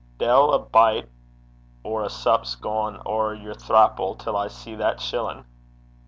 'De'il a bite or a sup s' gang ower your thrapple till I see that shillin'.'